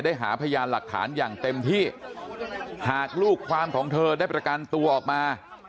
หาพยานหลักฐานอย่างเต็มที่หากลูกความของเธอได้ประกันตัวออกมา